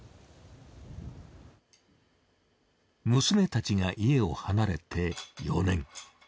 娘たちが家を離れて４年。